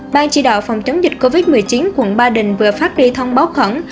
ban chỉ đạo phòng chống dịch covid một mươi chín quận ba đình vừa phát đi thông báo khẩn